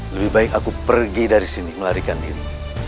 lebih baik aku pergi dari sini melarikan diri